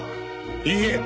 いいえ！